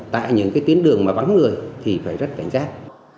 tại những cái tuyến đường mà vắng người thì phải rất cảnh giác